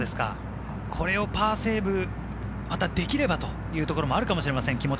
これをパーセーブできればというところもありかもしれません。